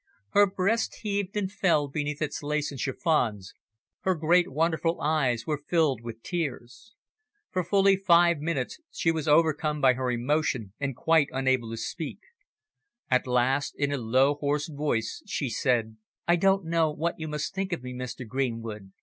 Her breast heaved and fell beneath its lace and chiffons, her great wonderful eyes were filled with tears. For fully five minutes she was overcome by her emotion and quite unable to speak. At last, in a low, hoarse voice, she said "I don't know what you must think of me, Mr. Greenwood.